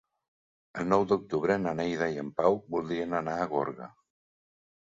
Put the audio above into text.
El nou d'octubre na Neida i en Pau voldrien anar a Gorga.